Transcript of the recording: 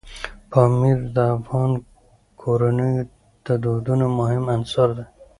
پامیر د افغان کورنیو د دودونو مهم عنصر دی.